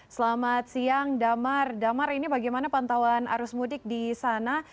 selamat siang damar damar ini bagaimana pantauan arus mudik di sana